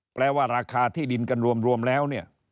แปลว่าราคาที่ดินกันรวมแล้วเนี่ย